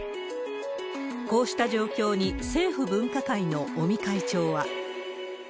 こうした状況に、政府分科会の尾身会長は。